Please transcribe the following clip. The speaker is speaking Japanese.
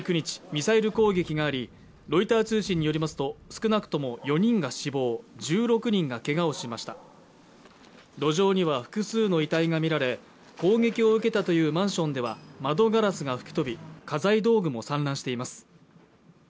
ミサイル攻撃がありロイター通信によりますと少なくとも４人が死亡１６人がけがをしました路上には複数の遺体が見られ攻撃を受けたというマンションでは窓ガラスが吹き飛び家財道具も散乱しています